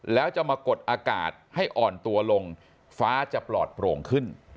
แล้วจะมากดอากาศให้อ่อนตัวลงฟ้าจะปลอดโปร่งขึ้น